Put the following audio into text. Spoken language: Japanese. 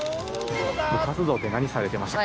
部活動って何されてましたか？